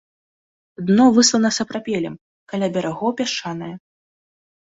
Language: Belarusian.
Дно выслана сапрапелем, каля берагоў пясчанае.